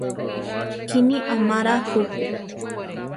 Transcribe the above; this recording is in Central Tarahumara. Kíni amará juku.